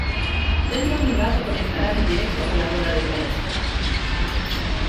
Dentro de un rato conectarán en directo con la rueda de prensa.